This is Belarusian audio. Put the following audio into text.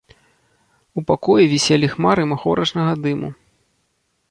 У пакоі віселі хмары махорачнага дыму.